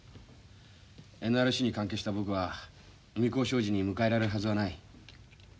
ＮＲＣに関係した僕は宇美幸商事に迎えられるはずはない。